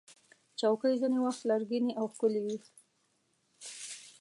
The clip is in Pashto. چوکۍ ځینې وخت لرګینې او ښکلې وي.